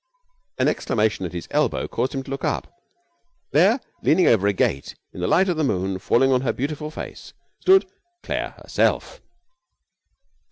An exclamation at his elbow caused him to look up. There, leaning over a gate, the light of the moon falling on her beautiful face, stood Claire herself!